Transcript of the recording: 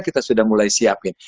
kita sudah mulai siapin